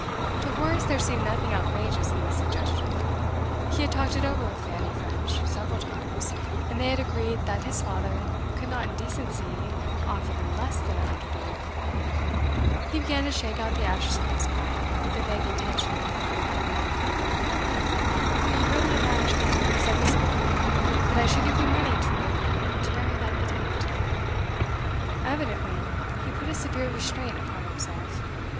To Horace there seemed nothing outrageous in this suggestion. He had talked it over with Fanny French several times, and they had agreed that his father could not in decency offer them less than a hundred a year. He began to shake out the ashes from his pipe, with a vague intention of relighting it. 'You really imagine,' said his father, 'that I should give you money to enable you to marry that idiot?' Evidently he put a severe restraint upon himself.